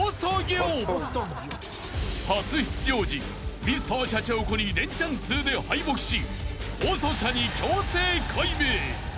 ［初出場時Ｍｒ．シャチホコにレンチャン数で敗北し細シャに強制改名］